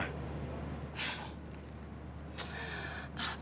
seseorang yang lebih ganteng